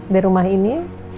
dari rumah ini